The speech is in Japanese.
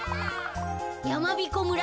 やまびこ村